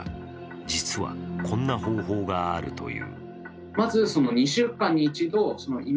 実はこんな方法があるという。